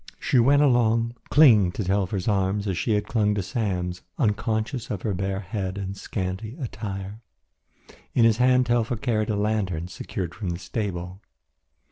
She went along clinging to Telfer's arm as she had clung to Sam's, unconscious of her bare head and scanty attire. In his hand Telfer carried a lantern secured from the stable.